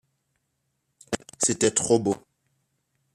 C’était trop beau.